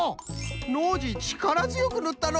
ノージーちからづよくぬったのう！